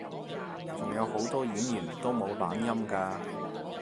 仲有好多演員都冇懶音㗎